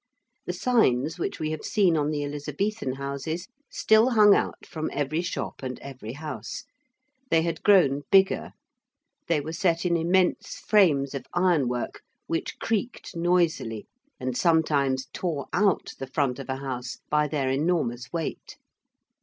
The signs which we have seen on the Elizabethan houses still hung out from every shop and every house: they had grown bigger: they were set in immense frames of ironwork, which creaked noisily, and sometimes tore out the front of a house by their enormous weight.